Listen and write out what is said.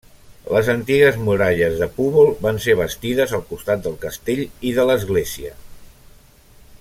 Les antigues muralles de Púbol van ser bastides al costat del castell i de l'església.